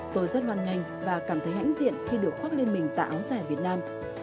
tôi rất hoàn ngành và cảm thấy hãnh diện khi được khoác lên mình tại áo dài việt nam